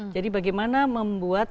jadi bagaimana membuat